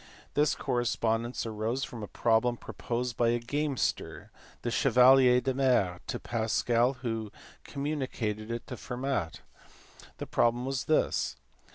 This correspondence arose from a problem proposed by a gamester, the Chevalier de Mere, to Pascal who communicated it to Fermat. The problem was this.